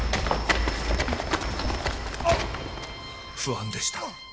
不安でした。